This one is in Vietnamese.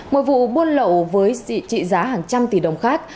một vụ buôn lậu với trị giá hàng trăm tỷ đồng khác